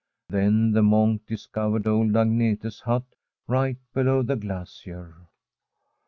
Then the monk discovered old Agnete's hut, right below the glacier.